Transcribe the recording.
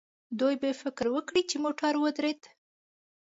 دوی به فکر وکړي چې موټر ودرېد.